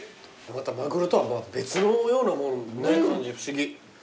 またマグロとは別のような感じ不思議。